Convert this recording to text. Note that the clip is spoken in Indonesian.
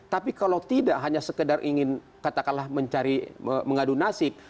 tapi kalau tidak hanya sekedar ingin katakanlah mencari mengadu nasib